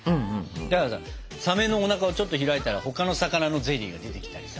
だからさサメのおなかをちょっと開いたら他の魚のゼリーが出てきたりさ。